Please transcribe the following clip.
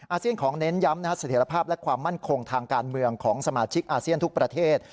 เซียนของเน้นย้ำเสถียรภาพและความมั่นคงทางการเมืองของสมาชิกอาเซียนทุกประเทศ